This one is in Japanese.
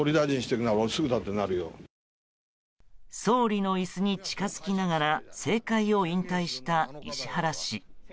総理の椅子に近づきながら政界を引退した石原氏。